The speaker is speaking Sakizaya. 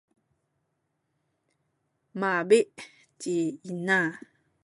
mabi’ ci ina.